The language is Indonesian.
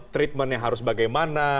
treatmentnya harus bagaimana